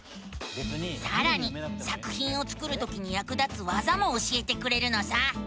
さらに作ひんを作るときにやく立つわざも教えてくれるのさ！